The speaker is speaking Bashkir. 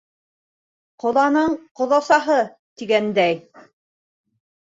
Ҡоҙаның ҡоҙасаһы, тигәндәй.